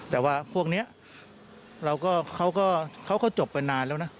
แต่ว่าพวกนี้เขาก็จบไปนานแล้วนะ